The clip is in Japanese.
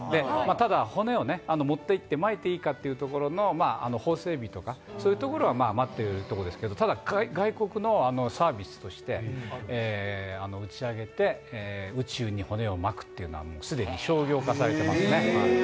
ただ、骨を持っていって、まいていいかというところの法整備などは待っているところですけど、ただ外国のサービスとして、打ち上げて宇宙に骨をまくというのは、捨てに商業化されていますね。